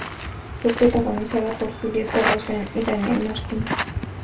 Fue protagonizada por Julieta Rosen y Daniel Martin.